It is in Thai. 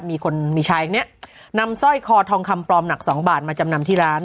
มีคนมีชายแบบเนี้ยนำสร้อยคอทองคำนัก๒บาทมาจำนำที่ร้าน